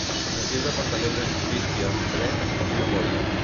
Es diu Departament de Justícia, Drets i Memòria